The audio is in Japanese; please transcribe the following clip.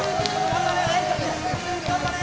頑張れ！